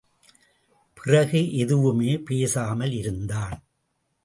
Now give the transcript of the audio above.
பிறகு எதுவுமே பேசாமல் இருந்தான்.